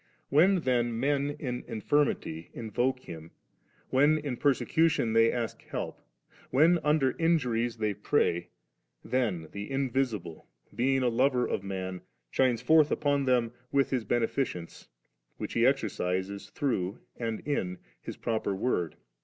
When then men in infirmity invoke Him, when in persecu tion they ask help, when under injuries they pray, then the Invisible, being a lover of man, shines forth upon them with His beneficence^ which He exercises through and in His proper Word.